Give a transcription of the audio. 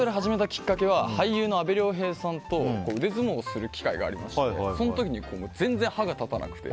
きっかけは俳優の阿部亮平さんと腕相撲をする機会がありまして全然歯が立たなくて。